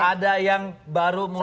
ada yang baru mulai